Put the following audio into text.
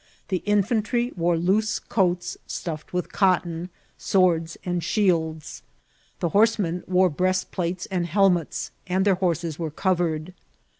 The infantry wore loose coats stuffed with cotton ; swords and shields ; the horsemen wore breastplates cmd helmets, and their horses were covered.